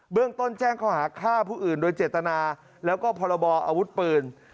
เรื่องต้นแจ้งข้อหาฆ่าผู้อื่นโดยเจตนาแล้วก็พรบออาวุธปืน